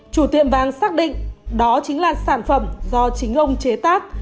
chủ tiệm vàng xác định đó chính là sản phẩm do chính ông chế tác